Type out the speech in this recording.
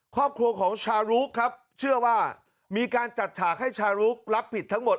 ครอบครัวของชารุครับเชื่อว่ามีการจัดฉากให้ชารุกรับผิดทั้งหมด